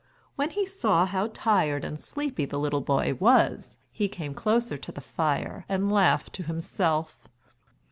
When he saw how tired and sleepy the little boy was, he came closer to the fire and laughed to himself.